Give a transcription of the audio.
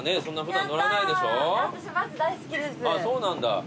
そうなんだ。